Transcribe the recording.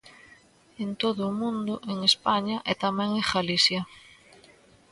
En todo o mundo, en España e tamén en Galicia.